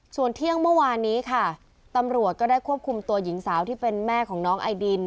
ส่วนเที่ยงเมื่อวานนี้ค่ะตำรวจก็ได้ควบคุมตัวหญิงสาวที่เป็นแม่ของน้องไอดิน